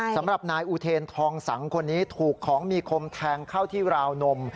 สำหรับนายอูเทนทองสังคนนี้ถูกของมีคมแทงเข้าที่ราวนม